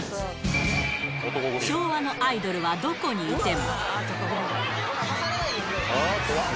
昭和のアイドルはどこにいても。